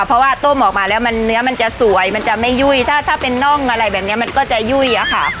เพราะว่าต้มออกมาแล้วมันเนื้อมันจะสวยมันจะไม่ยุ่ยถ้าเป็นน่องอะไรแบบนี้มันก็จะยุ่ยอะค่ะ